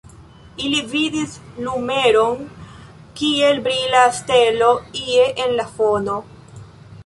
Ili vidis lumeron, kiel brila stelo, ie en la fono.